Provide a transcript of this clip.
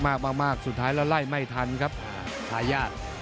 มากมากสุดท้ายแล้วไล่ไม่ทันครับทายาท